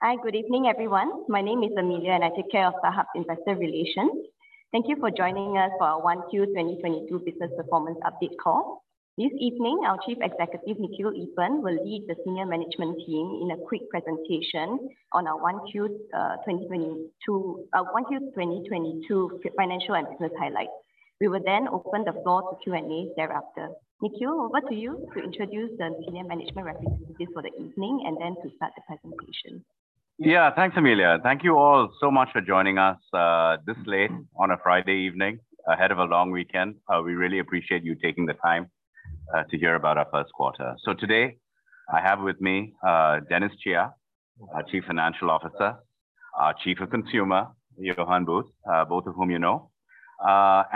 Hi, good evening, everyone. My name is Amelia, and I take care of StarHub investor relations. Thank you for joining us for our Q1 2022 business performance update call. This evening, our Chief Executive, Nikhil Eapen, will lead the senior management team in a quick presentation on our Q1 2022 financial and business highlights. We will then open the floor to Q&A thereafter. Nikhil, over to you to introduce the senior management representatives for the evening and then to start the presentation. Yeah, thanks, Amelia. Thank you all so much for joining us this late on a Friday evening ahead of a long weekend. We really appreciate you taking the time to hear about our Q1. Today I have with me Dennis Chia, our Chief Financial Officer, our Chief of Consumer, Johan Buse, both of whom you know. For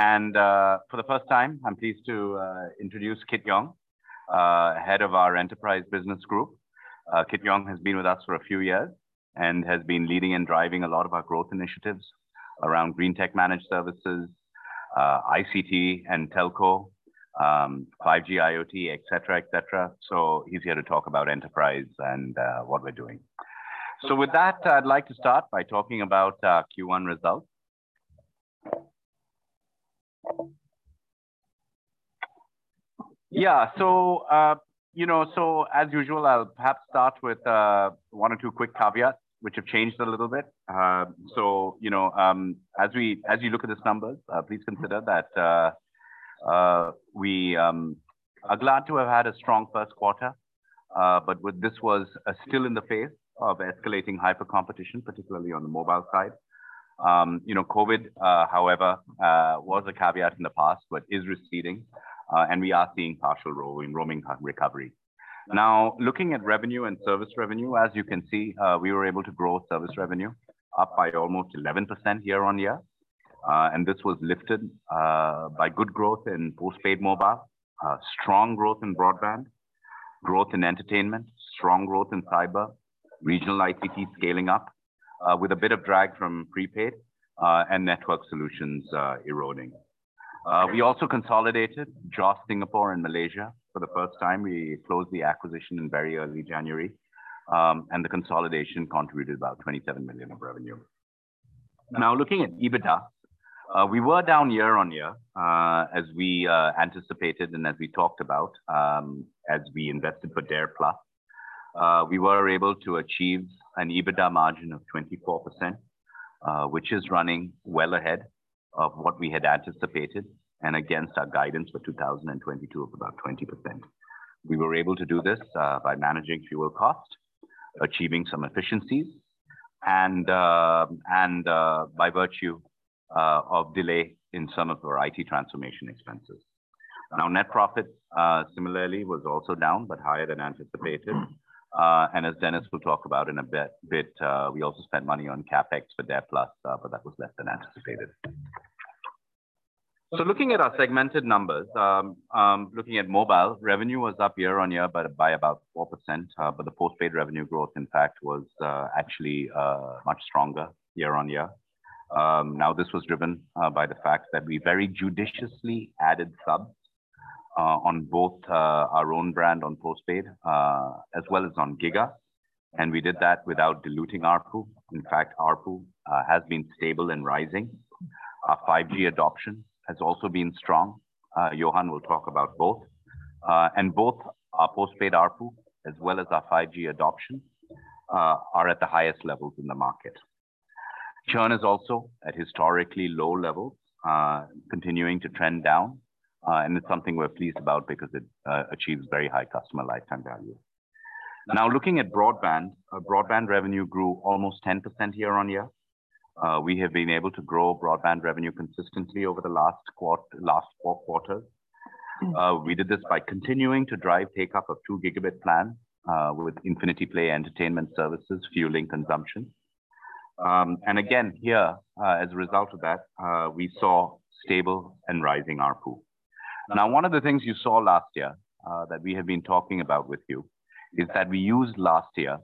the first time, I'm pleased to introduce Kit Yong, Head of our Enterprise Business Group. Kit Yong has been with us for a few years and has been leading and driving a lot of our growth initiatives around green tech managed services, ICT and telco, 5G, IoT, et cetera, et cetera. He's here to talk about enterprise and what we're doing. With that, I'd like to start by talking about our Q1 results. Yeah. You know, as usual, I'll perhaps start with one or two quick caveats which have changed a little bit. You know, as you look at these numbers, please consider that we are glad to have had a strong Q1. This was still in the face of escalating hyper competition, particularly on the mobile side. COVID, however, was a caveat in the past but is receding, and we are seeing partial roaming recovery. Now, looking at revenue and service revenue, as you can see, we were able to grow service revenue up by almost 11% year-on-year. This was lifted by good growth in postpaid mobile, strong growth in broadband, growth in entertainment, strong growth in cyber, regional ICT scaling up, with a bit of drag from prepaid, and network solutions, eroding. We also consolidated JOS Singapore and Malaysia for the first time. We closed the acquisition in very early January. The consolidation contributed about 27 million of revenue. Now looking at EBITDA, we were down year-on-year, as we anticipated and as we talked about, as we invested for DARE+. We were able to achieve an EBITDA margin of 24%, which is running well ahead of what we had anticipated and against our guidance for 2022 of about 20%. We were able to do this by managing fuel costs, achieving some efficiencies and by virtue of delay in some of our IT transformation expenses. Now, net profit similarly was also down but higher than anticipated. As Dennis will talk about in a bit, we also spent money on Capex for DARE+, but that was less than anticipated. Looking at mobile, revenue was up year-on-year by about 4%. The postpaid revenue growth impact was actually much stronger year-on-year. Now, this was driven by the fact that we very judiciously added subs on both our own brand on postpaid as well as on Giga, and we did that without diluting ARPU. In fact, ARPU has been stable and rising. Our 5G adoption has also been strong. Johan will talk about both. Both our postpaid ARPU as well as our 5G adoption are at the highest levels in the market. Churn is also at historically low levels, continuing to trend down. It's something we're pleased about because it achieves very high customer lifetime value. Now looking at broadband. Broadband revenue grew almost 10% year-on-year. We have been able to grow broadband revenue consistently over the last four quarters. We did this by continuing to drive take-up of 2 Gb plan with Infinity Play entertainment services, fueling consumption. Again, here, as a result of that, we saw stable and rising ARPU. Now, one of the things you saw last year that we have been talking about with you is that we used last year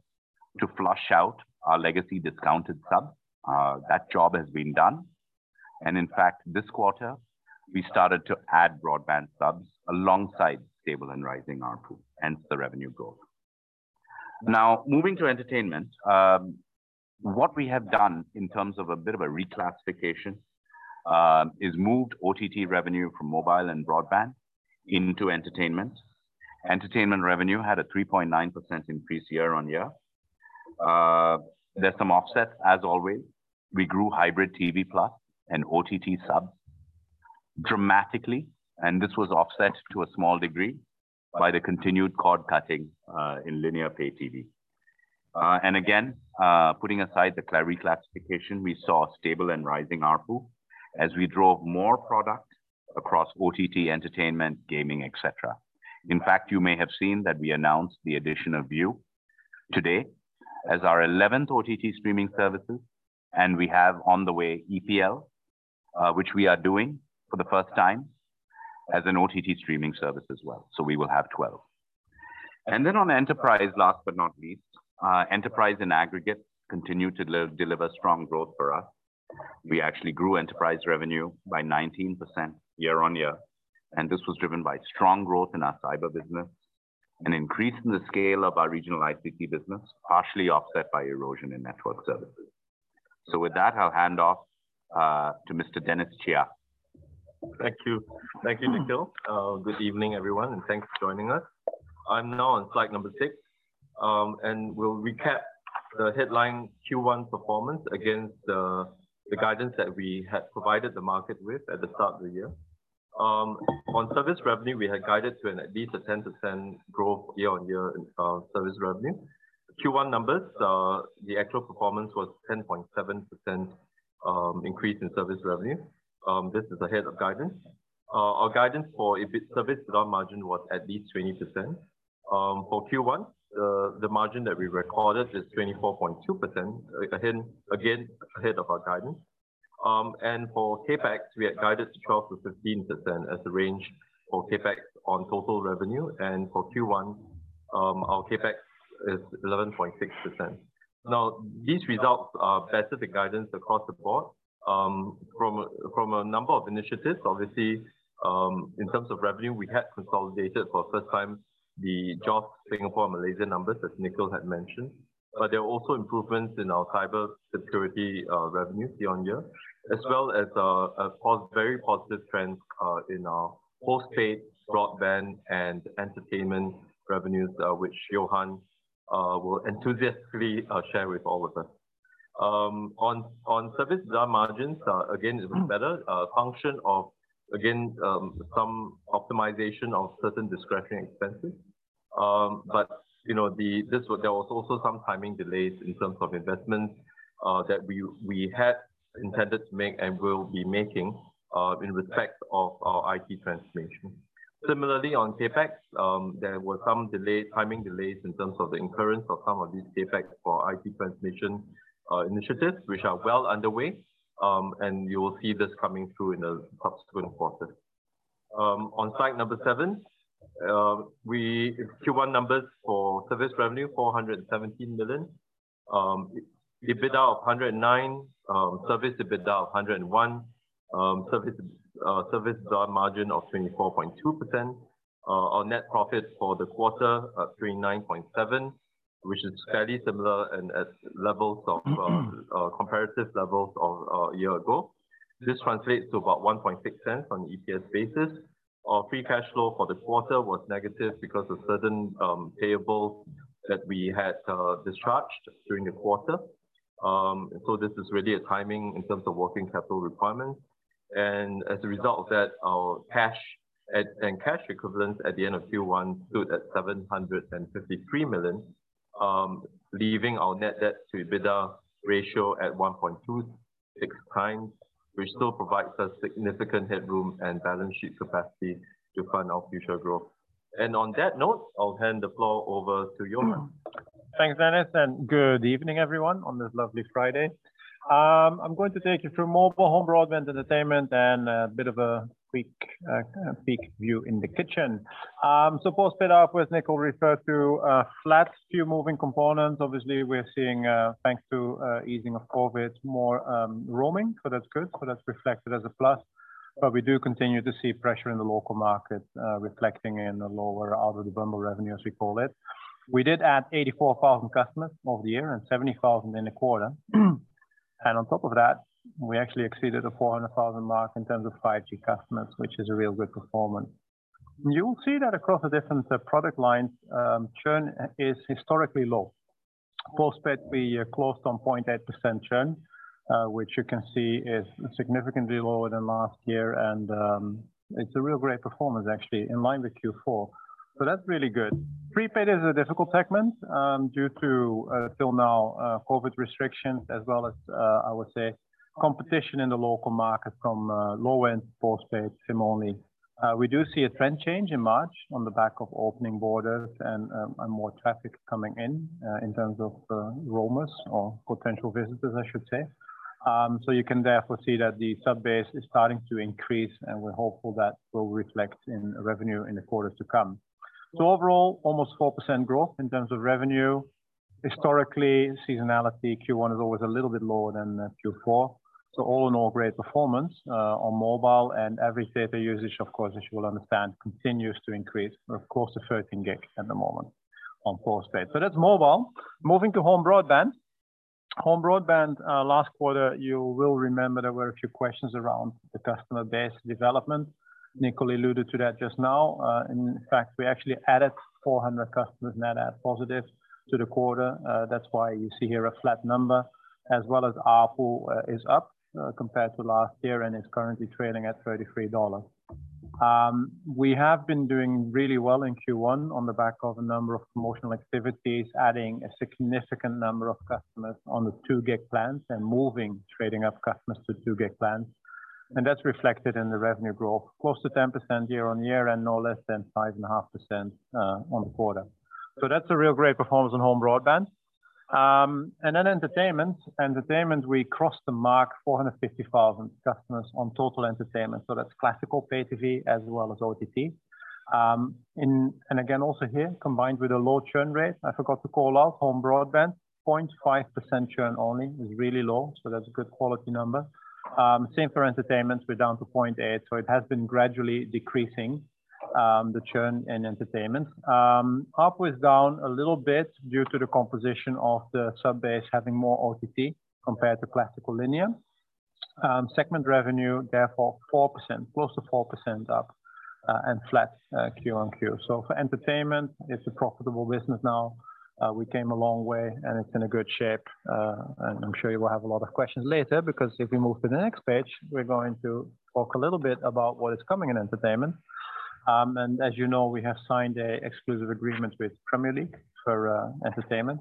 to flush out our legacy discounted sub. That job has been done and in fact, this quarter we started to add broadband subs alongside stable and rising ARPU, hence the revenue growth. Now moving to entertainment. What we have done in terms of a bit of a reclassification is moved OTT revenue from mobile and broadband into entertainment. Entertainment revenue had a 3.9% increase year-on-year. There's some offsets, as always. We grew HiBREW TV+ and OTT subs dramatically, and this was offset to a small degree by the continued cord-cutting in linear pay TV. Again, putting aside the reclassification, we saw stable and rising ARPU as we drove more product across OTT entertainment, gaming, et cetera. In fact, you may have seen that we announced the addition of Viu today as our 11th OTT streaming services, and we have on the way EPL, which we are doing for the first time as an OTT streaming service as well. We will have 12. Then on enterprise, last but not least, enterprise in aggregate continued to deliver strong growth for us. We actually grew enterprise revenue by 19% year-on-year, and this was driven by strong growth in our cyber business, an increase in the scale of our regional ICT business, partially offset by erosion in network services. With that, I'll hand off to Mr. Dennis Chia. Thank you. Thank you, Nikhil. Good evening, everyone, and thanks for joining us. I'm now on slide number six. We'll recap the headline Q1 performance against the guidance that we had provided the market with at the start of the year. On service revenue, we had guided to at least a 10% growth year-on-year in service revenue. Q1 numbers, the actual performance was 10.7% increase in service revenue. This is ahead of guidance. Our guidance for EBIT service margin was at least 20%. For Q1, the margin that we recorded is 24.2% again, ahead of our guidance. For Capex, we had guided 12% to 15% as the range for Capex on total revenue. For Q1, our Capex is 11.6%. Now, these results better the guidance across the board from a number of initiatives. Obviously, in terms of revenue, we had consolidated for the first time the JOS Singapore and Malaysia numbers, as Nikhil had mentioned. There are also improvements in our cyber security revenue year-on-year, as well as very positive trends in our postpaid, broadband, and entertainment revenues, which Johan will enthusiastically share with all of us. On service margins, again, it was better, a function of, again, some optimization of certain discretionary expenses. You know, there was also some timing delays in terms of investments that we had intended to make and will be making in respect of our IT transformation. Similarly, on Capex, there were some delay, timing delays in terms of the incurrence of some of these Capex for IT transformation initiatives, which are well underway. You will see this coming through in the subsequent quarter. On slide number seven, Q1 numbers for service revenue, 417 million. EBITDA of 109 million. Service EBITDA of 101 million. Service margin of 24.2%. Our net profit for the quarter, 39.7 million, which is fairly similar and at levels of comparative levels of a year ago. This translates to about 1.6 on an EPS basis. Our free cash flow for this quarter was negative because of certain payables that we had discharged during the quarter. This is really a timing in terms of working capital requirements. As a result of that, our cash and cash equivalents at the end of Q1 stood at 753 million, leaving our net debt-to-EBITDA ratio at 1.26x, which still provides us significant headroom and balance sheet capacity to fund our future growth. On that note, I'll hand the floor over to Johan. Thanks, Dennis, and good evening, everyone, on this lovely Friday. I'm going to take you through mobile, home broadband, entertainment and a bit of a quick peek view in the kitchen. Postpaid, as Nikhil referred to, flat, few moving components. Obviously, we're seeing, thanks to easing of COVID, more roaming, that's good. That's reflected as a plus. We do continue to see pressure in the local market, reflecting in the lower out-of-bundle revenue, as we call it. We did add 84,000 customers over the year and 70,000 in the quarter. On top of that, we actually exceeded the 400,000 mark in terms of 5G customers, which is a real good performance. You'll see that across the different product lines, churn is historically low. Postpaid, we closed on 0.8% churn, which you can see is significantly lower than last year. It's a real great performance actually in line with Q4. That's really good. Prepaid is a difficult segment, due to till now, COVID restrictions as well as, I would say, competition in the local market from low-end postpaid SIM-only. We do see a trend change in March on the back of opening borders and more traffic coming in terms of roamers or potential visitors, I should say. You can therefore see that the subscriber base is starting to increase, and we're hopeful that will reflect in revenue in the quarters to come. Overall, almost 4% growth in terms of revenue. Historically, seasonality, Q1 is always a little bit lower than Q4. All in all, great performance on mobile. Every data usage, of course, as you will understand, continues to increase. We're, of course, at 13 gig at the moment on postpaid. That's mobile. Moving to home broadband. Home broadband, last quarter, you will remember, there were a few questions around the customer base development. Nikhil alluded to that just now. In fact, we actually added 400 customers net add positive to the quarter. That's why you see here a flat number as well as ARPU is up compared to last year and is currently trading at 33 dollars. We have been doing really well in Q1 on the back of a number of promotional activities, adding a significant number of customers on the two gig plans and moving, trading up customers to two gig plans. That's reflected in the revenue growth. Close to 10% year-on-year and no less than 5.5% on the quarter. That's a real great performance on home broadband. Entertainment, we crossed the mark 450,000 customers on total entertainment. That's classical pay TV as well as OTT. And again, also here, combined with a low churn rate, I forgot to call out home broadband, 0.5% churn only. It's really low. That's a good quality number. Same for entertainment. We're down to 0.8%. It has been gradually decreasing, the churn in entertainment. ARPU was down a little bit due to the composition of the sub-base having more OTT compared to classical linear. Segment revenue, therefore 4%, close to 4% up, and flat Q-on-Q. For entertainment, it's a profitable business now. We came a long way, and it's in a good shape. I'm sure you will have a lot of questions later, because if we move to the next page, we're going to talk a little bit about what is coming in entertainment. As you know, we have signed an exclusive agreement with Premier League for entertainment.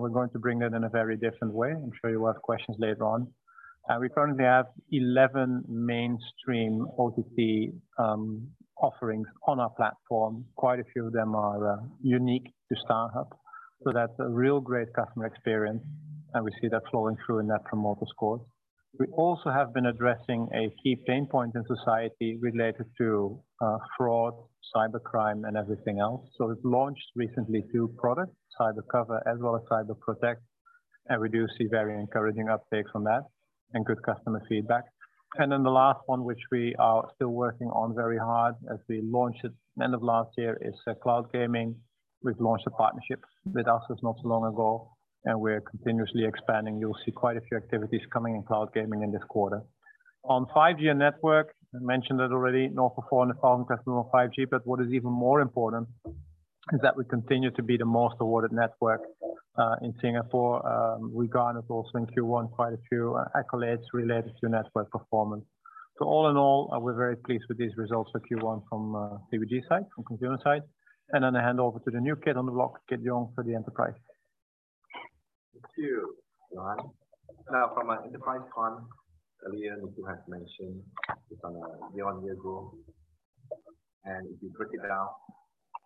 We're going to bring that in a very different way. I'm sure you will have questions later on. We currently have 11 mainstream OTT offerings on our platform. Quite a few of them are unique to StarHub, so that's a real great customer experience, and we see that flowing through in net promoter scores. We also have been addressing a key pain point in society related to fraud, cybercrime, and everything else. We've launched recently two products, CyberCover as well as CyberProtect, and we do see very encouraging uptake from that and good customer feedback. Then the last one, which we are still working on very hard as we launched it end of last year, is cloud gaming. We've launched a partnership with Ubisoft not so long ago, and we're continuously expanding. You'll see quite a few activities coming in cloud gaming in this quarter. On 5G network, I mentioned it already, north of 400,000 customers on 5G, but what is even more important is that we continue to be the most awarded network in Singapore. We garnered also in Q1 quite a few accolades related to network performance. All in all, we're very pleased with these results for Q1 from TBD side, from consumer side. I hand over to the new kid on the block, Kit Yong for the enterprise. Thank you, Johan. Now from an enterprise front, earlier Nikhil has mentioned it's on a year-on-year growth. If you break it down,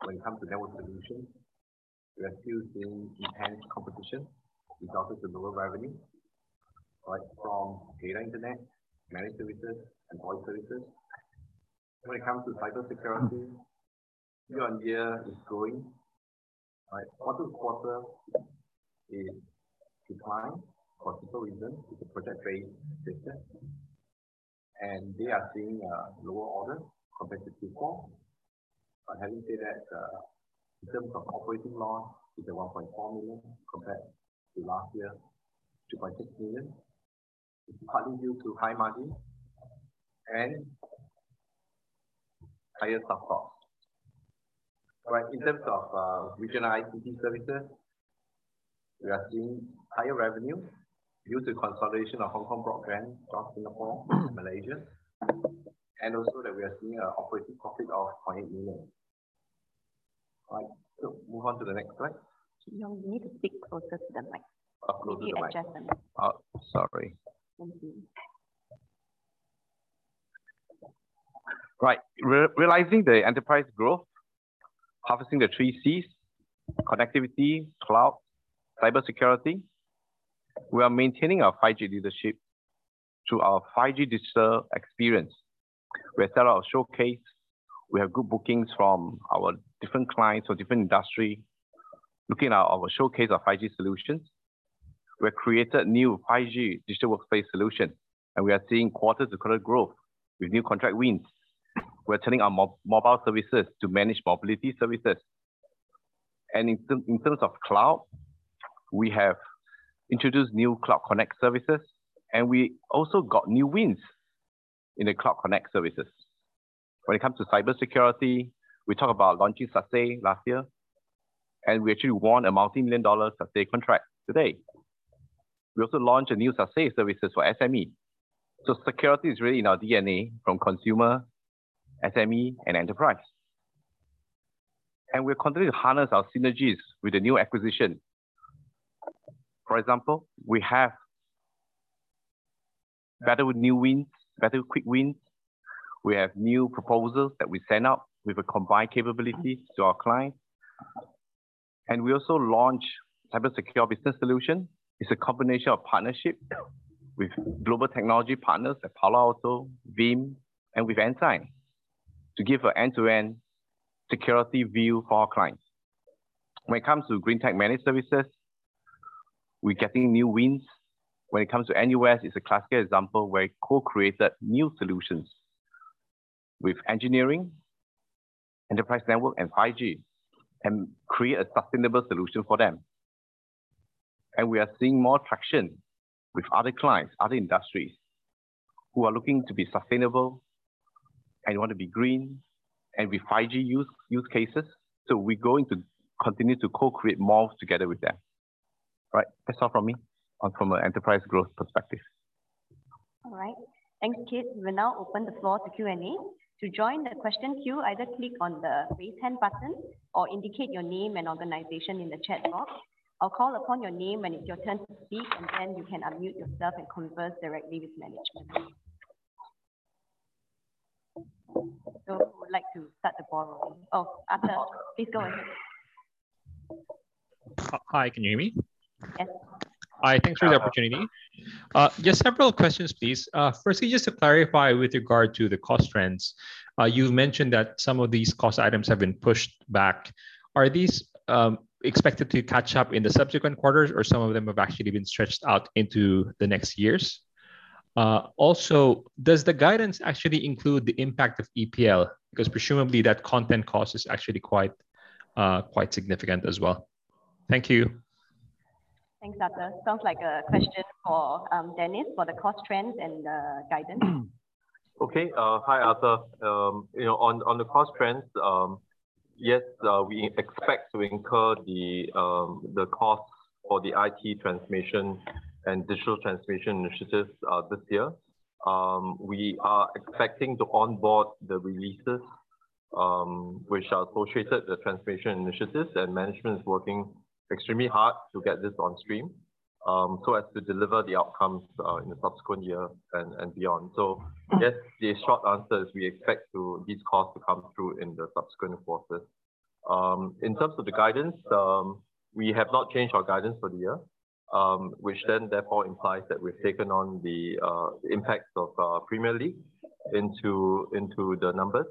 when it comes to network solutions, we are still seeing intense competition, which offers the lower revenue. Right. From data internet, managed services, and voice services. When it comes to cybersecurity, year-on-year is growing. Right. Quarter-over-quarter is decline for several reasons with the project trading sector. They are seeing lower orders compared to Q4. Having said that, in terms of operating loss is at 1.4 million compared to last year, 2.6 million. It's partly due to high margin and higher stock costs. All right. In terms of regional ICT services, we are seeing higher revenue due to consolidation of Hong Kong broadband across Singapore, Malaysia, and also that we are seeing an operating profit of 0.8 million. All right. Move on to the next slide. Kit Yong, you need to speak closer to the mic. Up close to the mic. Maybe adjust the mic. Oh, sorry. Thank you. Right. Realizing the enterprise growth, harvesting the three Cs, connectivity, cloud, cybersecurity. We are maintaining our 5G leadership through our 5G digital experience. We set up a showcase. We have good bookings from our different clients or different industry looking at our showcase of 5G solutions. We have created new 5G digital workspace solution, and we are seeing quarter-to-quarter growth with new contract wins. We're turning our mobile services to managed mobility services. In terms of cloud, we have introduced new Cloud Connect services, and we also got new wins in the Cloud Connect services. When it comes to cybersecurity, we talked about launching SASE last year, and we actually won a multi-million dollar SASE contract today. We also launched a new SASE services for SME. Security is really in our DNA from consumer, SME, and enterprise. We're continuing to harness our synergies with the new acquisition. For example, we have better new wins, better quick wins. We have new proposals that we send out with a combined capability to our client. We also launched CyberSecure Business Solution. It's a combination of partnership with global technology partners at Palo Alto, Veeam, and with Ensign to give an end-to-end security view for our clients. When it comes to green tech managed services, we're getting new wins. When it comes to NUS, it's a classic example where we co-created new solutions with engineering, enterprise network, and 5G, and create a sustainable solution for them. We are seeing more traction with other clients, other industries who are looking to be sustainable and want to be green and with 5G use cases. We're going to continue to co-create more together with them. Right. That's all from me on an enterprise growth perspective. All right. Thanks, Kit Yong. We'll now open the floor to Q&A. To join the question queue, either click on the raise hand button or indicate your name and organization in the chat box. I'll call upon your name when it's your turn to speak, and then you can unmute yourself and converse directly with management. Who would like to start the ball rolling? Oh, Arthur, please go ahead. Hi, can you hear me? Yes. Hi. Thanks for the opportunity. Just several questions, please. Firstly, just to clarify with regard to the cost trends. You mentioned that some of these cost items have been pushed back. Are these expected to catch up in the subsequent quarters, or some of them have actually been stretched out into the next years? Also, does the guidance actually include the impact of EPL? Because presumably that content cost is actually quite significant as well. Thank you. Thanks, Arthur. Sounds like a question for Dennis for the cost trends and guidance. Okay. Hi Arthur. You know, on the cost trends, yes, we expect to incur the costs for the IT transformation and digital transformation initiatives, this year. We are expecting to onboard the releases, which are associated with the transformation initiatives and management is working extremely hard to get this on stream, so as to deliver the outcomes, in the subsequent year and beyond. Yes, the short answer is we expect these costs to come through in the subsequent quarters. In terms of the guidance, we have not changed our guidance for the year, which then therefore implies that we've taken on the impacts of Premier League into the numbers.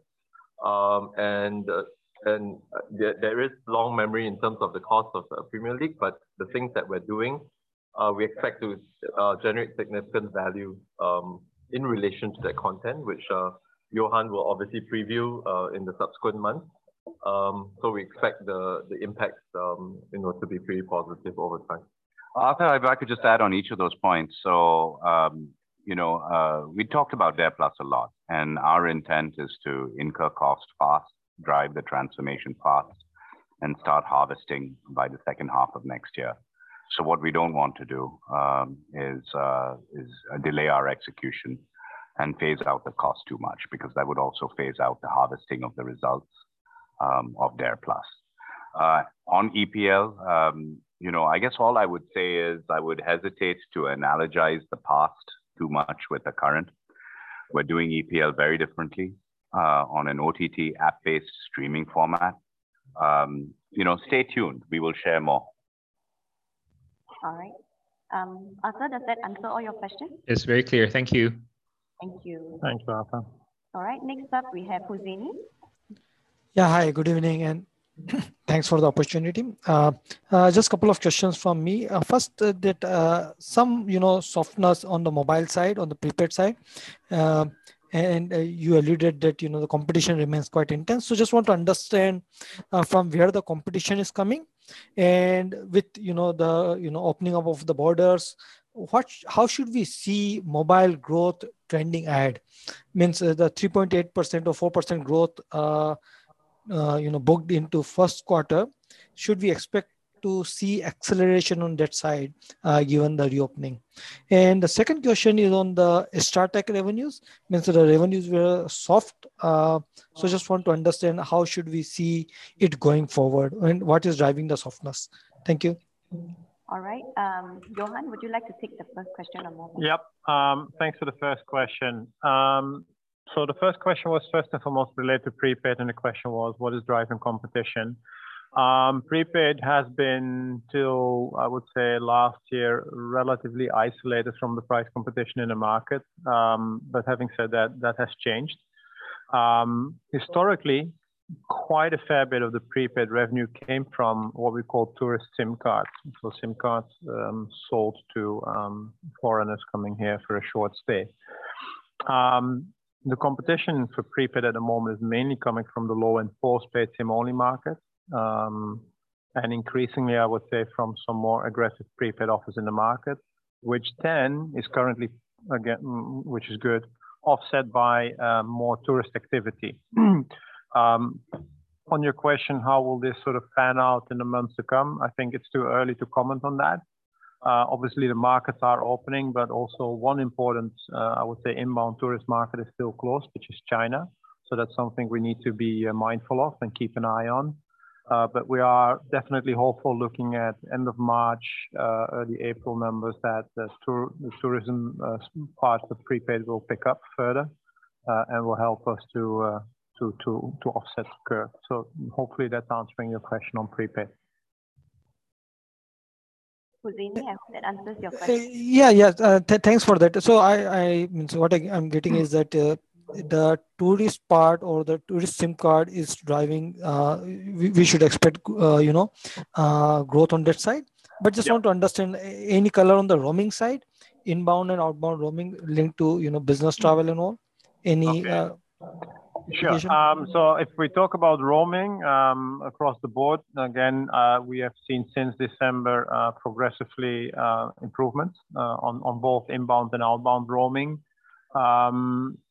There is long memory in terms of the cost of Premier League, but the things that we're doing, we expect to generate significant value in relation to that content, which Johan will obviously preview in the subsequent months. We expect the impacts, you know, to be pretty positive over time. Arthur, if I could just add on each of those points. You know, we talked about DARE+ a lot, and our intent is to incur costs fast, drive the transformation fast, and start harvesting by the second half of next year. What we don't want to do is delay our execution and phase out the cost too much because that would also phase out the harvesting of the results of DARE+. On EPL, you know, I guess all I would say is I would hesitate to analogize the past too much with the current. We're doing EPL very differently on an OTT app-based streaming format. You know, stay tuned, we will share more. All right. Arthur, does that answer all your questions? It's very clear. Thank you. Thank you. Thanks, Arthur. All right. Next up we have Huzaini. Yeah. Hi, good evening and thanks for the opportunity. Just couple of questions from me. First, some, you know, softness on the mobile side, on the prepaid side. You alluded that, you know, the competition remains quite intense. Just want to understand from where the competition is coming and with, you know, the opening up of the borders, how should we see mobile growth trending ahead? I mean the 3.8% or 4% growth, you know, booked into Q1, should we expect to see acceleration on that side, given the reopening? The second question is on the Strateq revenues. I mean the revenues were soft. Just want to understand how should we see it going forward and what is driving the softness? Thank you. All right. Johan, would you like to take the first question on mobile? Yep. Thanks for the first question. The first question was first and foremost related to prepaid, and the question was what is driving competition? Prepaid has been till, I would say last year, relatively isolated from the price competition in the market. Having said that has changed. Historically, quite a fair bit of the prepaid revenue came from what we call tourist SIM cards. SIM cards sold to foreigners coming here for a short stay. The competition for prepaid at the moment is mainly coming from the low-end postpaid SIM-only market. Increasingly, I would say from some more aggressive prepaid offers in the market, which is good, offset by more tourist activity. On your question, how will this sort of pan out in the months to come? I think it's too early to comment on that. Obviously the markets are opening, but also one important, I would say inbound tourist market is still closed, which is China. That's something we need to be mindful of and keep an eye on. We are definitely hopeful looking at end of March, early April numbers that the tourism part of prepaid will pick up further, and will help us to offset the curve. Hopefully that's answering your question on prepaid. Huzaini, I hope that answers your question. Yeah. Yes. Thanks for that. What I'm getting is that the tourist part or the tourist SIM card is driving. We should expect, you know, growth on that side. Yeah. Just want to understand any color on the roaming side, inbound and outbound roaming linked to, you know, business travel and all. Okay. Sure. Any Vision. If we talk about roaming across the board again, we have seen since December progressively improvements on both inbound and outbound roaming. Actually,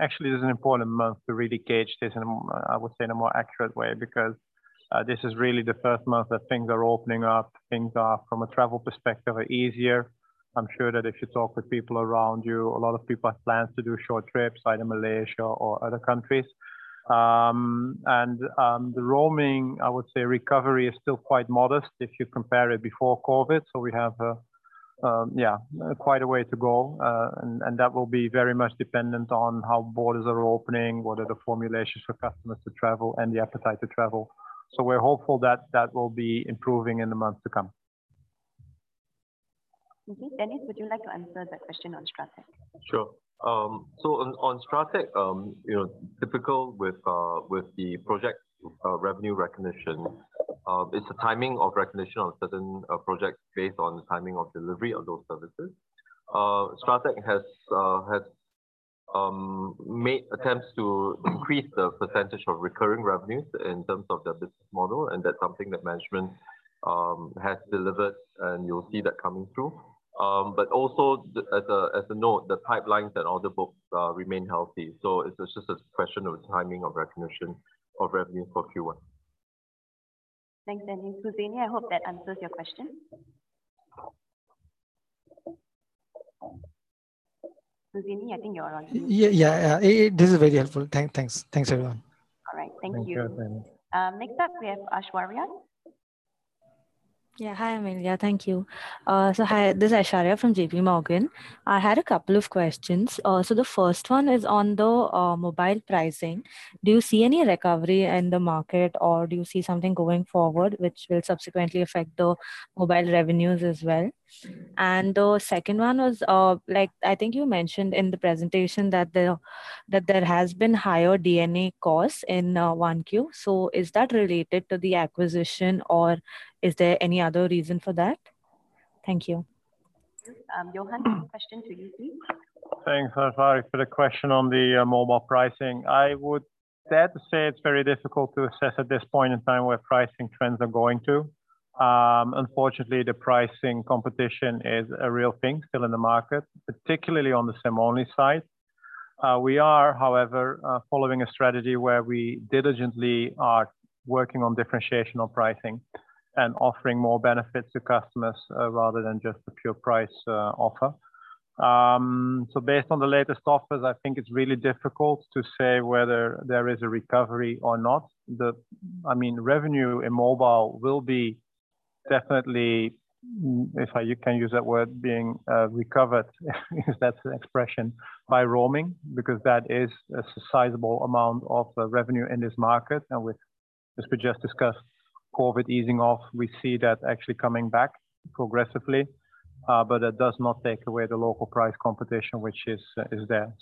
this is an important month to really gauge this in a more accurate way because this is really the first month that things are opening up. Things are, from a travel perspective, easier. I'm sure that if you talk with people around you, a lot of people have plans to do short trips either Malaysia or other countries. The roaming recovery is still quite modest if you compare it before COVID. We have yeah, quite a way to go. that will be very much dependent on how borders are opening, what are the regulations for customers to travel and the appetite to travel. We're hopeful that will be improving in the months to come. Okay. Dennis, would you like to answer the question on Strateq? Sure. On Strateq, you know, typical with the project revenue recognition, it's the timing of recognition on certain projects based on the timing of delivery of those services. Strateq has made attempts to increase the percentage of recurring revenues in terms of their business model, and that's something that management has delivered, and you'll see that coming through. Also as a note, the pipelines and order books remain healthy. It's just a question of timing of recognition of revenue for Q1. Thanks, Danny. Huzaini, I hope that answers your question. Huzaini, I think you're on mute. Yeah. This is very helpful. Thanks, everyone. All right. Thank you. Thank you. Next up we have Aishwarya. Yeah. Hi, Amelia. Thank you. So hi, this is Aishwarya from JPMorgan. I had a couple of questions. The first one is on the mobile pricing. Do you see any recovery in the market, or do you see something going forward which will subsequently affect the mobile revenues as well? The second one was, like, I think you mentioned in the presentation that there has been higher D&A costs in Q1. Is that related to the acquisition, or is there any other reason for that? Thank you. Johan, question to you too. Thanks, Aishwarya, for the question on the mobile pricing. I would dare to say it's very difficult to assess at this point in time where pricing trends are going to. Unfortunately, the pricing competition is a real thing still in the market, particularly on the SIM-only side. We are, however, following a strategy where we diligently are working on differentiation of pricing and offering more benefits to customers, rather than just the pure price offer. Based on the latest offers, I think it's really difficult to say whether there is a recovery or not. I mean, revenue in mobile will be definitely, if I can use that word, being recovered, if that's an expression, by roaming, because that is a sizable amount of revenue in this market. Now, with, as we just discussed, COVID easing off, we see that actually coming back progressively. That does not take away the local price competition, which is there.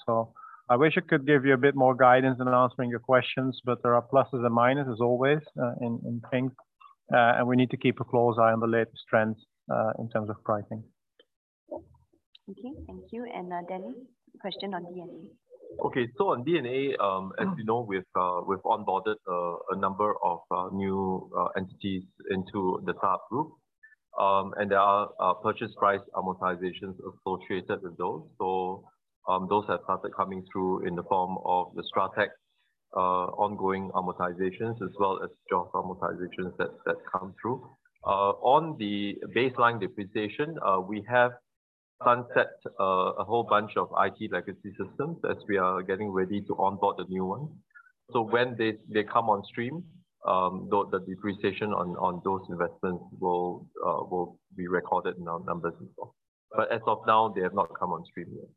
I wish I could give you a bit more guidance in answering your questions, but there are pluses and minuses, always, in things. We need to keep a close eye on the latest trends in terms of pricing. Okay. Thank you. Dennis Chia, question on D&A. Okay. On D&A, as you know, we've onboarded a number of new entities into the StarHub group. There are purchase price amortizations associated with those. Those have started coming through in the form of the Strateq ongoing amortizations as well as JOS amortizations that come through. On the baseline depreciation, we have sunset a whole bunch of IT legacy systems as we are getting ready to onboard the new one. When they come on stream, the depreciation on those investments will be recorded in our numbers as well. As of now, they have not come on stream yet.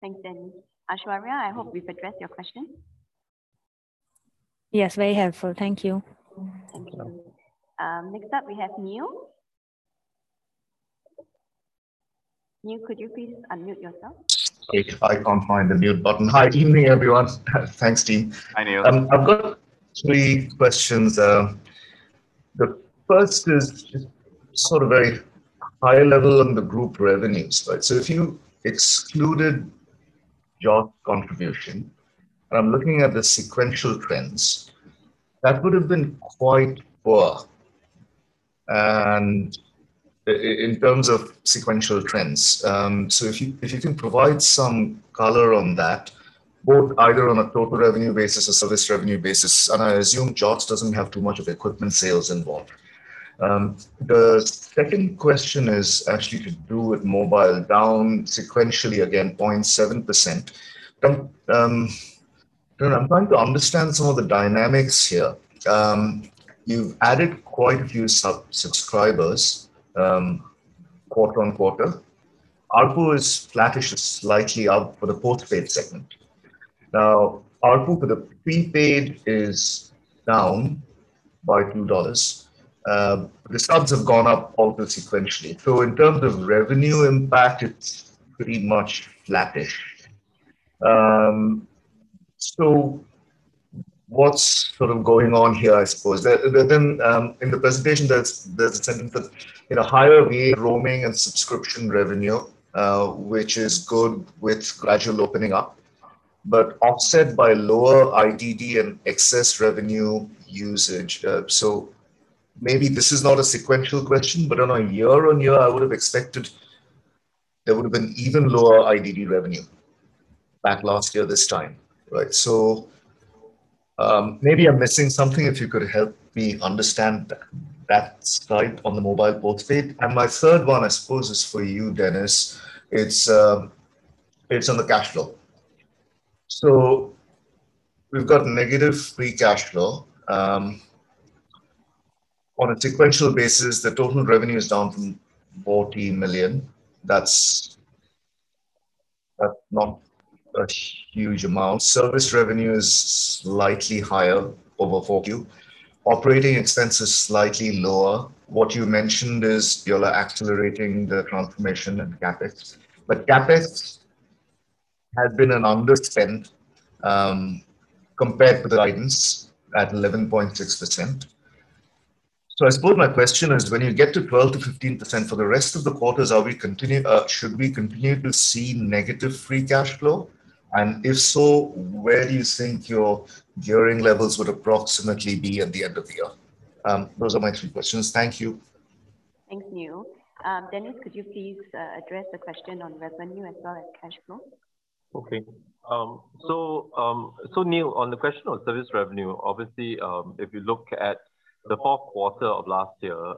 Thanks, Danny. Aishwarya, I hope we've addressed your question. Yes. Very helpful. Thank you. Thank you. Next up we have Neil. Neil, could you please unmute yourself? Okay. I can't find the mute button. Hi, evening everyone. Thanks, team. Hi, Neil. I've got three questions. The first is just sort of very high level on the group revenues, right? If you excluded JOS contribution, and I'm looking at the sequential trends, that would've been quite poor, and in terms of sequential trends. If you can provide some color on that, both either on a total revenue basis or service revenue basis, and I assume JOS doesn't have too much of equipment sales involved. The second question is actually to do with mobile down sequentially again, 0.7%. I'm trying to understand some of the dynamics here. You've added quite a few subscribers, quarter-on-quarter. ARPU is flattish, slightly up for the post-paid segment. Now, ARPU for the prepaid is down by 2 dollars. The subs have gone up also sequentially. In terms of revenue impact, it's pretty much flattish. What's sort of going on here, I suppose? Within in the presentation, there's a sentence that, you know, higher roaming and subscription revenue, which is good with gradual opening up, but offset by lower IDD and excess revenue usage. Maybe this is not a sequential question, but I know year-on-year I would've expected there would've been even lower IDD revenue back last year this time, right? Maybe I'm missing something. If you could help me understand that slide on the mobile post-paid. My third one, I suppose, is for you, Dennis. It's on the cash flow. We've got negative free cash flow. On a sequential basis, the total revenue is down from 14 million. That's not a huge amount. Service revenue is slightly higher over Q4. Operating expense is slightly lower. What you mentioned is you're accelerating the transformation and Capex. Capex has been an underspend, compared to the guidance at 11.6%. I suppose my question is when you get to 12% to 15% for the rest of the quarters, should we continue to see negative free cash flow? If so, where do you think your gearing levels would approximately be at the end of the year? Those are my two questions. Thank you. Thanks, Neil. Dennis, could you please address the question on revenue as well as cash flow? Okay. Neil, on the question on service revenue, obviously, if you look at the Q4 of last year,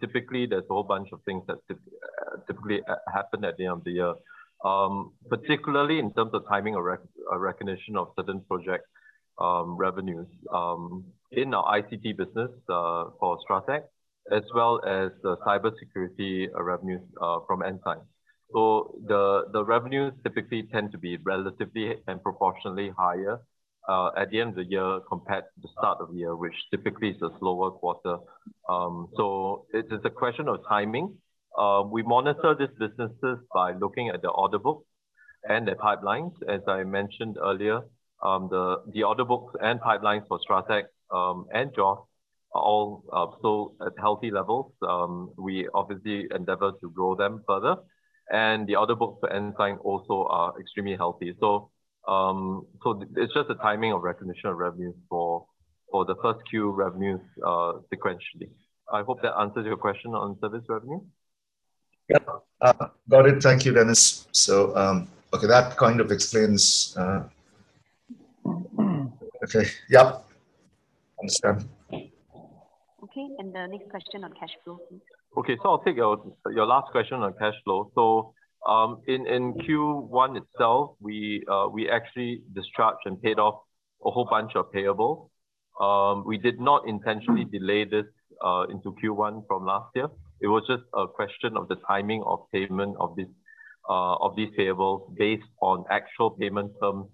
typically there's a whole bunch of things that typically happen at the end of the year, particularly in terms of timing or recognition of certain project revenues in our ICT business for Strateq, as well as the cybersecurity revenues from Ensign. The revenues typically tend to be relatively and proportionately higher at the end of the year compared to the start of the year, which typically is a slower quarter. It is a question of timing. We monitor these businesses by looking at their order book and their pipelines. As I mentioned earlier, the order books and pipelines for Strateq and JOS are all still at healthy levels. We obviously endeavor to grow them further. The order books for Ensign also are extremely healthy. It's just a timing of recognition of revenue for the Q1 revenues, sequentially. I hope that answers your question on service revenue. Yeah. Got it. Thank you, Dennis. Okay, that kind of explains. Okay. Yeah. Understand. Okay. The next question on cash flow, please. Okay. I'll take your last question on cash flow. In Q1 itself, we actually discharged and paid off a whole bunch of payables. We did not intentionally delay this into Q1 from last year. It was just a question of the timing of payment of these payables based on actual payment terms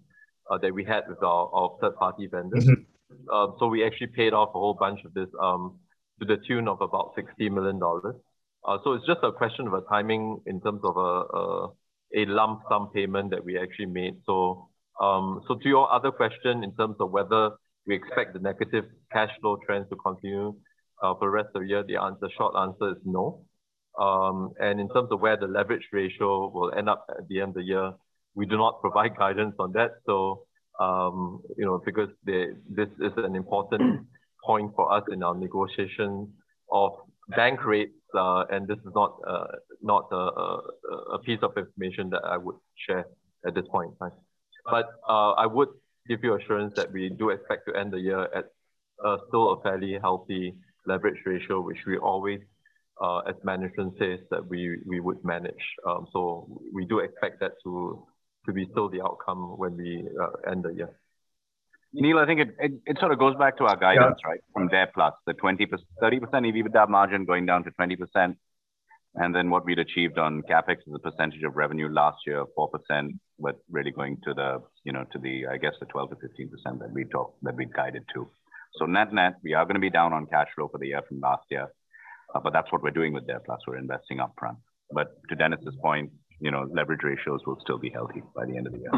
that we had with our third-party vendors. Mm-hmm. We actually paid off a whole bunch of this to the tune of about 60 million dollars. It's just a question of timing in terms of a lump sum payment that we actually made. To your other question in terms of whether we expect the negative cash flow trends to continue for the rest of the year, the answer, short answer is no. In terms of where the leverage ratio will end up at the end of the year, we do not provide guidance on that. You know, because this is an important point for us in our negotiation of bank rates and this is not a piece of information that I would share at this point in time. I would give you assurance that we do expect to end the year at still a fairly healthy leverage ratio, which we always, as management says, that we would manage. We do expect that to be still the outcome when we end the year. Neil, I think it sort of goes back to our guidance, right? From DARE+, the 20% to 30% EBITDA margin going down to 20%. Then what we'd achieved on CapEx as a percentage of revenue last year, 4%. We're really going to the, I guess, the 12% to 15% that we talked, that we'd guided to. Net-net, we are gonna be down on cash flow for the year from last year, but that's what we're doing with DARE+. We're investing upfront. To Dennis' point, you know, leverage ratios will still be healthy by the end of the year.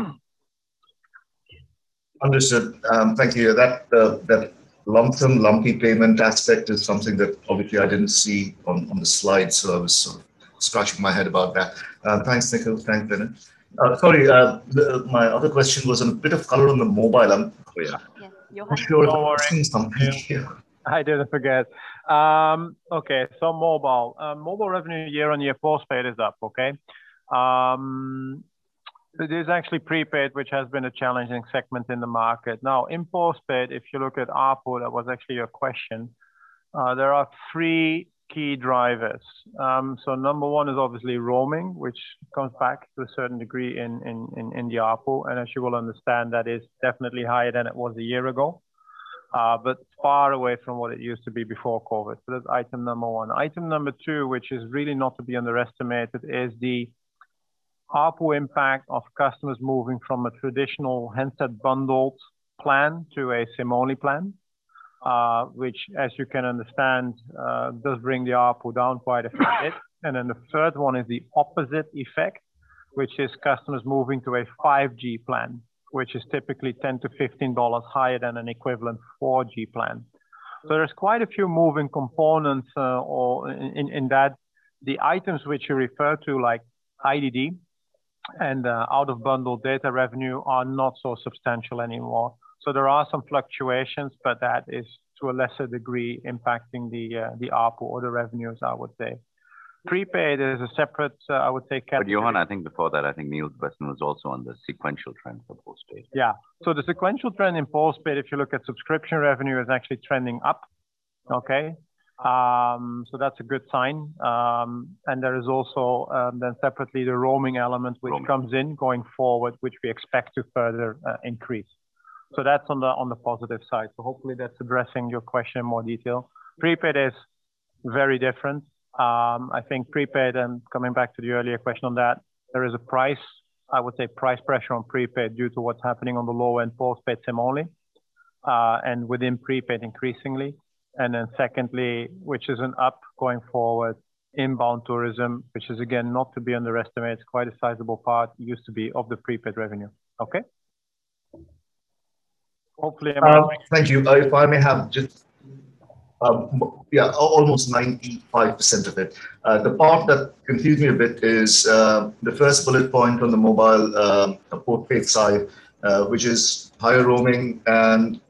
Understood. Thank you. That lump sum lumpy payment aspect is something that obviously I didn't see on the slide, so I was sort of scratching my head about that. Thanks, Nikhil. Thanks, Dennis. Sorry, my other question was a bit of color on the mobile. I'm clear. Yeah. Johan. I'm sure I've seen something here. I didn't forget. Okay. Mobile. Mobile revenue year-on-year postpaid is up, okay? It is actually prepaid, which has been a challenging segment in the market. Now, in postpaid, if you look at ARPU, that was actually your question, there are three key drivers. Number one is obviously roaming, which comes back to a certain degree in the ARPU. As you will understand, that is definitely higher than it was a year ago, but far away from what it used to be before COVID. That's item number one. Item number two, which is really not to be underestimated, is the ARPU impact of customers moving from a traditional handset bundled plan to a SIM-only plan, which as you can understand, does bring the ARPU down quite a fair bit. The third one is the opposite effect, which is customers moving to a 5G plan, which is typically 10 to 15 dollars higher than an equivalent 4G plan. There's quite a few moving components in that. The items which you refer to, like IDD and out-of-bundle data revenue are not so substantial anymore. There are some fluctuations, but that is to a lesser degree impacting the ARPU or the revenues, I would say. Prepaid is a separate category, I would say. Johan, I think before that, I think Neil's question was also on the sequential trend for postpaid. Yeah. The sequential trend in postpaid, if you look at subscription revenue, is actually trending up. Okay? That's a good sign. There is also separately the roaming element which comes in going forward, which we expect to further increase. That's on the positive side. Hopefully that's addressing your question in more detail. Prepaid is very different. I think prepaid, coming back to the earlier question on that, there is a price, I would say price pressure on prepaid due to what's happening on the low-end postpaid SIM-only and within prepaid increasingly. Then secondly, which is on the up going forward, inbound tourism, which is again not to be underestimated. It's quite a sizable part, used to be, of the prepaid revenue. Okay? Thank you. If I may have just almost 95% of it. The part that confused me a bit is the first bullet point on the mobile postpaid side, which is higher roaming and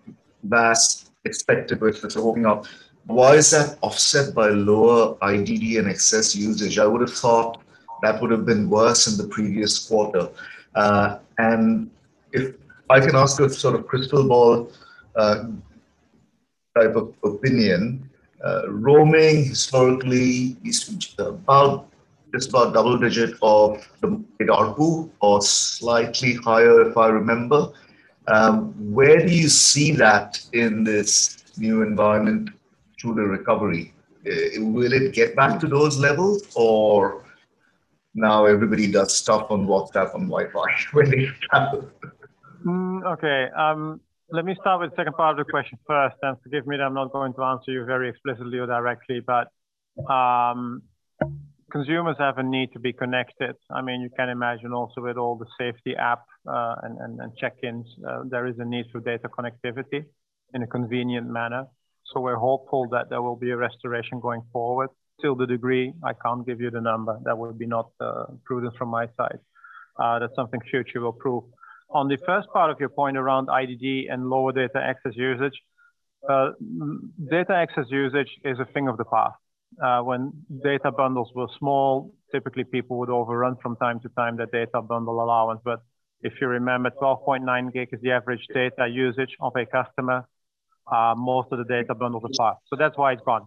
VAS expected, which that's opening up. Why is that offset by lower IDD and excess usage? I would have thought that would have been worse in the previous quarter. If I can ask a sort of crystal ball type of opinion, roaming historically is about just about double digit of the ARPU or slightly higher, if I remember. Where do you see that in this new environment through the recovery? Will it get back to those levels or now everybody does stuff on WhatsApp and Wi-Fi when they travel? Okay. Let me start with the second part of the question first. Forgive me that I'm not going to answer you very explicitly or directly, but consumers have a need to be connected. I mean, you can imagine also with all the safety app and check-ins, there is a need for data connectivity in a convenient manner. We're hopeful that there will be a restoration going forward. To that degree, I can't give you the number. That would not be prudent from my side. That's something future will prove. On the first part of your point around IDD and lower data access usage, data access usage is a thing of the past. When data bundles were small, typically people would overrun from time to time their data bundle allowance. If you remember, 12.9 GB is the average data usage of a customer. Most of the data bundles are passed. That's why it's gone.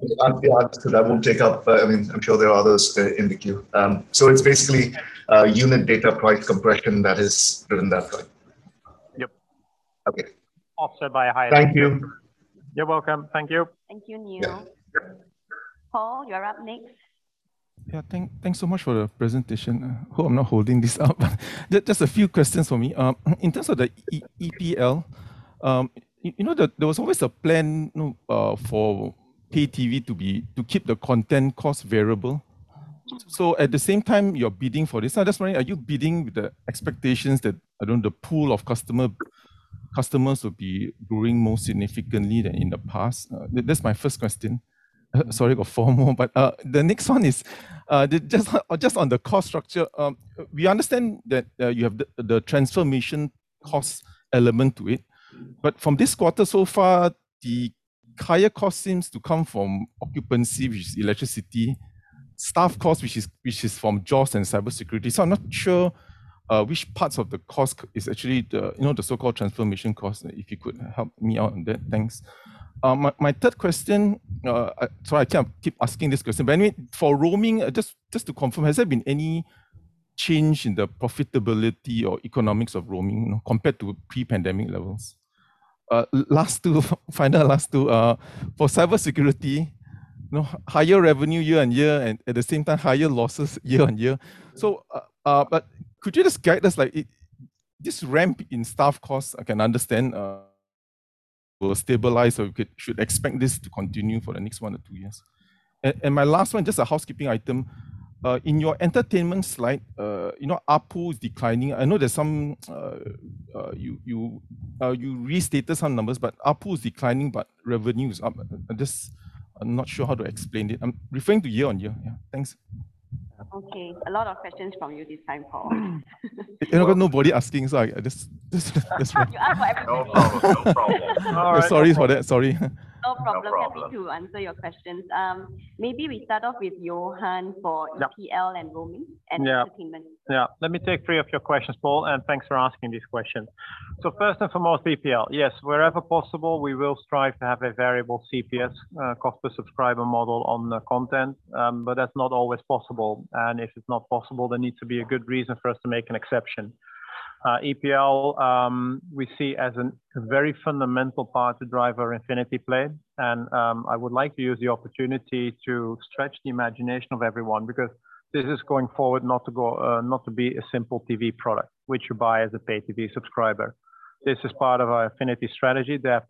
All right? I mean, I'm sure there are others in the queue. It's basically unit data price compression that is driven that way. Yep. Okay. Offset by a higher Thank you. You're welcome. Thank you. Thank you, Neil. Yeah. Yep. Paul, you're up next. Thanks so much for the presentation. Hope I'm not holding this up. Just a few questions for me. In terms of the EPL, you know that there was always a plan, you know, for pay TV to keep the content cost variable. At the same time you're bidding for this, I'm just wondering, are you bidding with the expectations that, I don't know, the pool of customers will be growing more significantly than in the past? That's my first question. Sorry, I've got four more. The next one is just on the cost structure. We understand that you have the transformation cost element to it. From this quarter so far, the higher cost seems to come from occupancy, which is electricity, staff cost, which is from JOS and cybersecurity. I'm not sure which parts of the cost is actually the so-called transformation cost. If you could help me out on that. Thanks. My third question, sorry, I keep asking this question. Anyway, for roaming, just to confirm, has there been any change in the profitability or economics of roaming compared to pre-pandemic levels? Last two, final two. For cybersecurity, higher revenue year-on-year and at the same time higher losses year-on-year. Could you just guide us, like, this ramp in staff costs, I can understand, will stabilize, should expect this to continue for the next one to two years. My last one, just a housekeeping item. In your entertainment slide, ARPU is declining. I know there's some. You restated some numbers, but ARPU is declining, but revenue is up. Just, I'm not sure how to explain it. I'm referring to year-on-year. Yeah. Thanks. Okay. A lot of questions from you this time, Paul. You know, nobody asking, so I just. You ask for everybody. No problem. No problem. Sorry for that. Sorry. No problem. No problem. Happy to answer your questions. Maybe we start off with Johan for- Yeah. EPL and roaming and entertainment. Let me take three of your questions, Paul, and thanks for asking these questions. First and foremost, EPL. Yes, wherever possible, we will strive to have a variable CPS, cost per subscriber model on the content, but that's not always possible. If it's not possible, there needs to be a good reason for us to make an exception. EPL, we see as a very fundamental part to drive our Infinity Play. I would like to use the opportunity to stretch the imagination of everyone because this is going forward not to be a simple TV product, which you buy as a pay TV subscriber. This is part of our Infinity strategy, DARE+,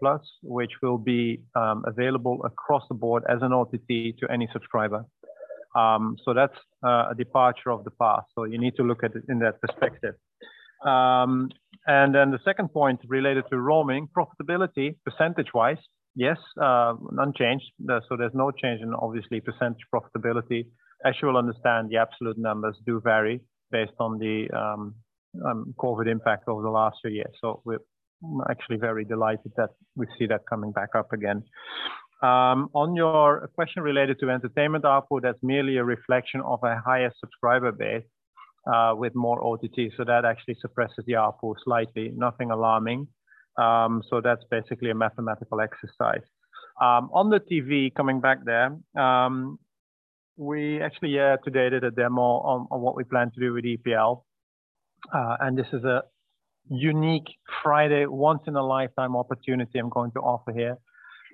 which will be available across the board as an OTT to any subscriber. That's a departure from the past. You need to look at it in that perspective. The second point related to roaming profitability, percentage wise, yes, unchanged. There's no change in obviously percentage profitability. As you will understand, the absolute numbers do vary based on the COVID impact over the last two years. We're actually very delighted that we see that coming back up again. On your question related to entertainment ARPU, that's merely a reflection of a higher subscriber base with more OTT. That actually suppresses the ARPU slightly. Nothing alarming. That's basically a mathematical exercise. On the TV coming back there, we actually today did a demo on what we plan to do with EPL. This is a unique Friday once in a lifetime opportunity I'm going to offer here.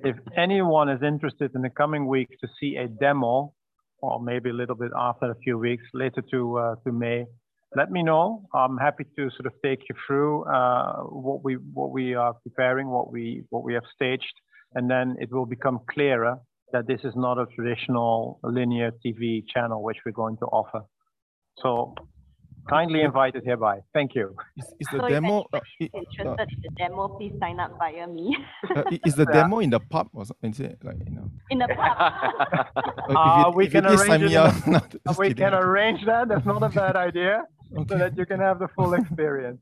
If anyone is interested in the coming week to see a demo or maybe a little bit after a few weeks later to May, let me know. I'm happy to sort of take you through what we are preparing, what we have staged. Then it will become clearer that this is not a traditional linear TV channel which we're going to offer. Kindly invited hereby. Thank you. Is the demo. If anybody's interested in the demo, please sign up via me. Is the demo in the pub or something? Is it like, you know? In a pub. Like if you please sign me up. We can arrange it. We can arrange that. That's not a bad idea. Okay that you can have the full experience.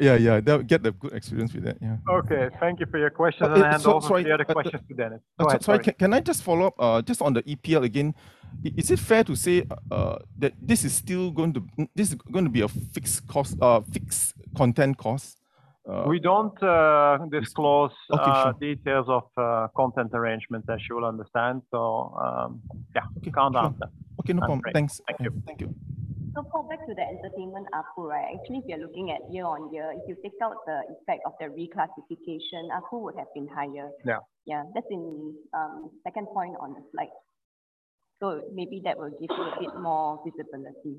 Yeah, yeah. That would give the good experience with that. Yeah. Okay. Thank you for your question. Sorry. I'll pose the other question to Dennis. Go ahead, sorry. Can I just follow up just on the EPL again. Is it fair to say that this is gonna be a fixed content cost. We don't disclose- Okay, sure. details of content arrangement, as you will understand. Yeah. Okay. You can count on that. Okay. No problem. Great. Thanks. Thank you. Thank you. Paul, back to the entertainment ARPU, right. Actually, if you're looking at year-on-year, if you take out the effect of the reclassification, ARPU would have been higher. Yeah. Yeah. That's in second point on the slide. Maybe that will give you a bit more visibility.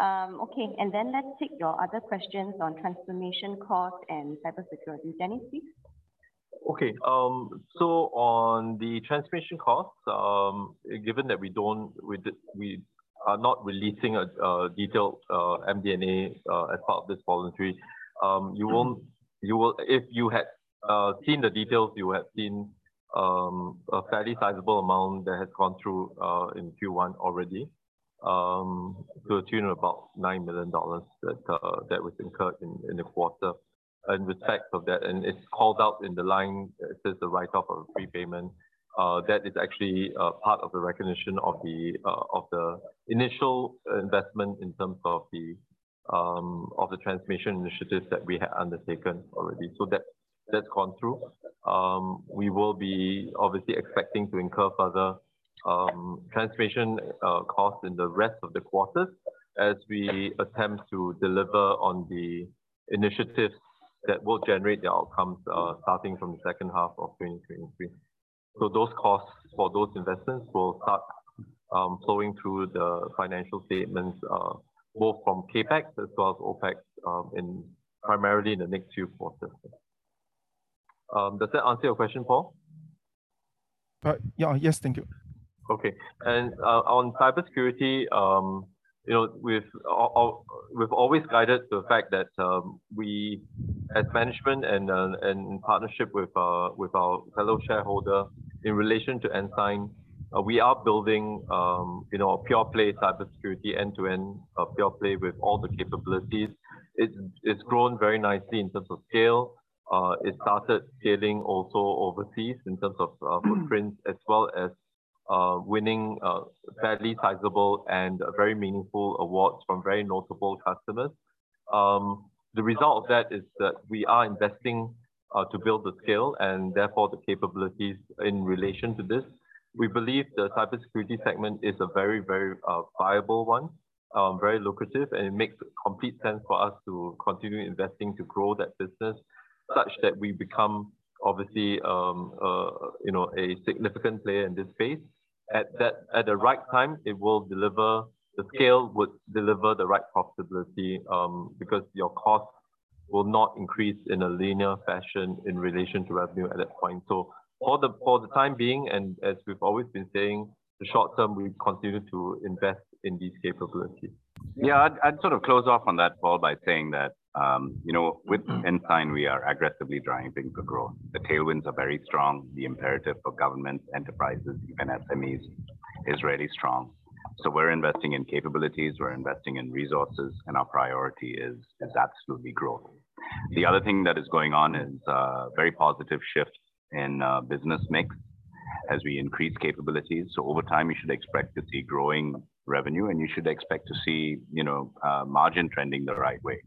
Okay, and then let's take your other questions on transformation cost and cybersecurity. Dennis, please. Okay. So on the transformation costs, given that we are not releasing a detailed MD&A as part of this voluntary, if you had seen the details, you would have seen a fairly sizable amount that has gone through in Q1 already, to the tune of about 9 million dollars that was incurred in the quarter. The effect of that, it's called out in the line that says the write-off of prepayment, that is actually part of the recognition of the initial investment in terms of the transformation initiatives that we have undertaken already. That's gone through. We will be obviously expecting to incur further transformation costs in the rest of the quarters as we attempt to deliver on the initiatives that will generate the outcomes, starting from the second half of 2023. Those costs for those investments will start flowing through the financial statements, both from Capex as well as Opex, primarily in the next few quarters. Does that answer your question, Paul? Yeah. Yes. Thank you. Okay. On cybersecurity, you know, we've always guided to the fact that, we as management and in partnership with our fellow shareholder in relation to Ensign, we are building, you know, a pure play cybersecurity end-to-end, a pure play with all the capabilities. It's grown very nicely in terms of scale. It started scaling also overseas in terms of footprints as well as winning fairly sizable and very meaningful awards from very notable customers. The result of that is that we are investing to build the scale and therefore the capabilities in relation to this. We believe the cybersecurity segment is a very viable one, very lucrative, and it makes complete sense for us to continue investing to grow that business such that we become obviously, you know, a significant player in this space. At the right time, it will deliver the scale, would deliver the right profitability, because your costs will not increase in a linear fashion in relation to revenue at that point. For the time being, and as we've always been saying, the short term, we continue to invest in these capabilities. Yeah. I'd sort of close off on that, Paul, by saying that, you know, with Ensign, we are aggressively driving things to grow. The tailwinds are very strong. The imperative for government enterprises, even SMEs, is really strong. We're investing in capabilities, we're investing in resources, and our priority is absolutely growth. The other thing that is going on is very positive shifts in business mix as we increase capabilities. Over time, you should expect to see growing revenue, and you should expect to see, you know, margin trending the right way.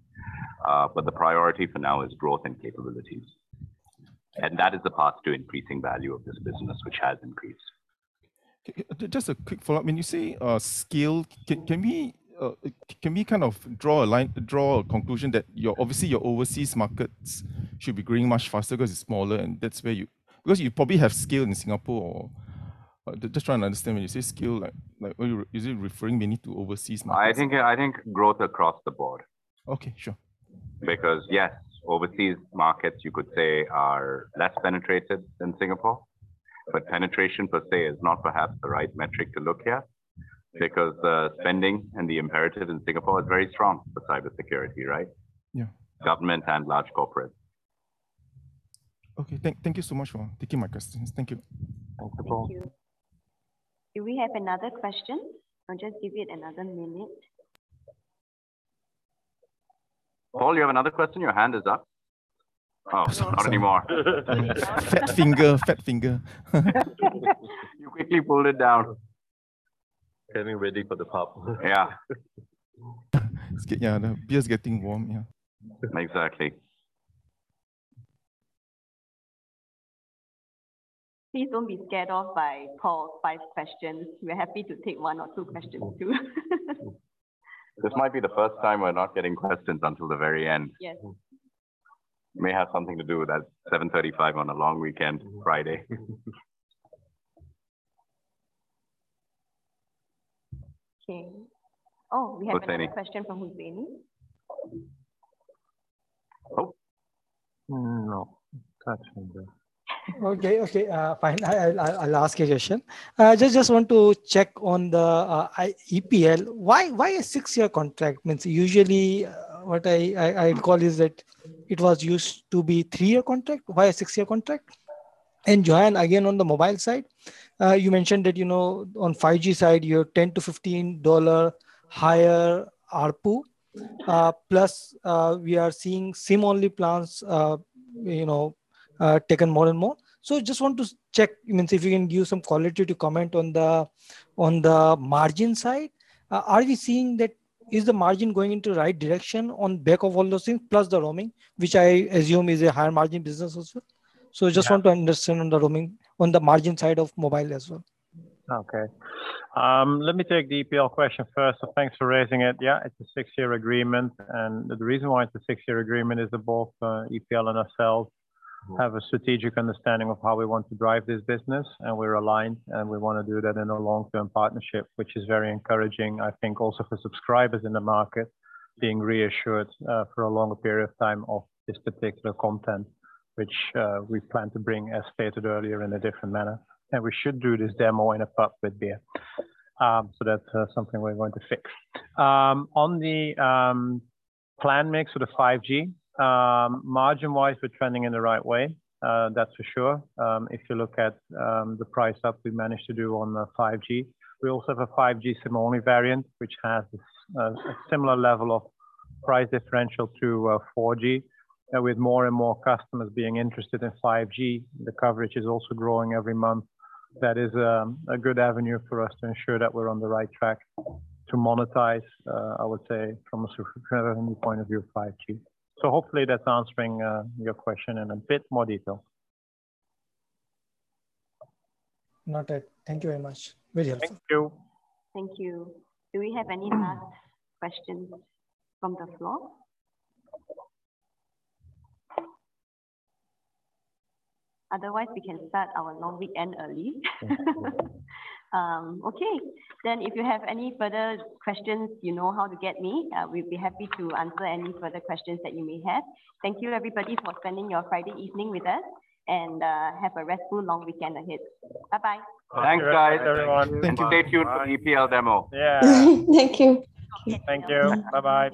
The priority for now is growth and capabilities. That is the path to increasing value of this business, which has increased. Okay. Just a quick follow-up. When you say scale, can we kind of draw a line, draw a conclusion that your obviously your overseas markets should be growing much faster because it's smaller and that's where you. Because you probably have scale in Singapore or. Just trying to understand. When you say scale, like what are you? Is it referring mainly to overseas markets? I think growth across the board. Okay. Sure. Because, yes, overseas markets you could say are less penetrated than Singapore, but penetration per se is not perhaps the right metric to look at because the spending and the imperative in Singapore is very strong for cybersecurity, right? Yeah. Government and large corporate. Okay. Thank you so much for taking my questions. Thank you. Thank you, Paul. Thank you. Do we have another question? I'll just give it another minute. Paul, you have another question? Your hand is up. Oh, not anymore. Fat finger. You quickly pulled it down. Getting ready for the pub. Yeah. Yeah. The beer's getting warm. Yeah. Exactly. Please don't be scared off by Paul's five questions. We're happy to take one or two questions too. This might be the first time we're not getting questions until the very end. Yes. May have something to do with that 7:35 on a long weekend Friday. Okay. Oh, we have a question from Huzaini. No. Okay. Fine. I'll ask a question. I just want to check on the EPL. Why a six year contract? Usually what I call is that it was used to be three year contract. Why a six year contract? Johan, again, on the mobile side, you mentioned that, you know, on 5G side, you're 10-15 dollar higher ARPU, plus, we are seeing SIM-only plans, you know, taken more and more. Just want to check if you can give some qualitative comment on the margin side. Are we seeing that? Is the margin going in the right direction on the back of all those things, plus the roaming, which I assume is a higher margin business also. I just want to understand on the roaming, on the margin side of mobile as well. Okay. Let me take the EPL question first. Thanks for raising it. Yeah, it's a six-year agreement, and the reason why it's a six-year agreement is that both, EPL and ourselves have a strategic understanding of how we want to drive this business, and we're aligned, and we wanna do that in a long-term partnership, which is very encouraging. I think also for subscribers in the market, being reassured, for a longer period of time of this particular content, which, we plan to bring, as stated earlier, in a different manner. We should do this demo in a pub with beer. That's something we're going to fix. On the plan mix with the 5G, margin-wise, we're trending in the right way. That's for sure. If you look at the price up we managed to do on the 5G. We also have a 5G SIM-only variant, which has similar level of price differential to 4G. With more and more customers being interested in 5G, the coverage is also growing every month. That is a good avenue for us to ensure that we're on the right track to monetize, I would say, from a subscriber revenue point of view, 5G. Hopefully that's answering your question in a bit more detail. Noted. Thank you very much. Very helpful. Thank you. Thank you. Do we have any last questions from the floor? Otherwise, we can start our long weekend early. Okay. If you have any further questions, you know how to get me. We'd be happy to answer any further questions that you may have. Thank you, everybody, for spending your Friday evening with us. Have a restful long weekend ahead. Bye bye. Thanks, guys. Thanks, everyone. Stay tuned for the EPL demo. Yeah. Thank you. Thank you. Bye-bye.